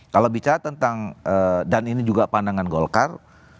kalau bicara tentang dan ini juga pandangan golkar